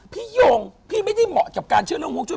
พี่หย่งพี่ไม่ได้เหมาะกับการเชื่อเรื่องพวกช่วย